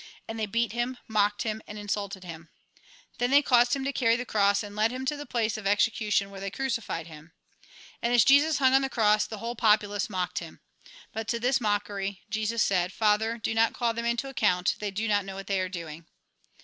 And they beat him, mocked him, and insulted him. Then they caused him to carry the cross, and led him to the place of execu tion, where they crucified him. And as Jesus hung on the cross, the whole populace mocked him. But to this mockery Jesus answered :" Father ! do not call them to account ; they do not know what they are doing."